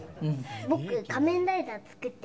僕、仮面ライダー作って。